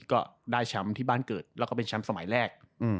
ก็ได้ชำที่บ้านเกิดแล้วก็เป็นชำสมัยแรก